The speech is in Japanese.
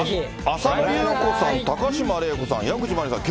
浅野ゆう子さん、高島礼子さん、矢口真里さん。